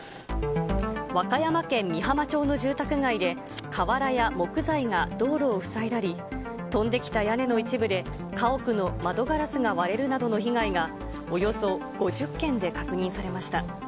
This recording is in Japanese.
和歌山県美浜町の住宅街で、瓦や木材が道路を塞いだり、飛んできた屋根の一部で家屋の窓ガラスが割れるなどの被害が、およそ５０軒で確認されました。